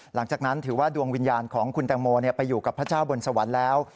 หลังจากนั้นถือว่าดวงวิญญาณของคุณแตงโมไปอยู่กับพระเจ้าบนสวรรค์แล้ว